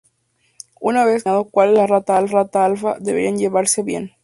Una vez que han determinado cuál es la rata alfa, deberían llevarse bien.